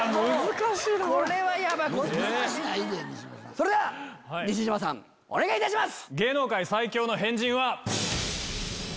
それでは西島さんお願いいたします。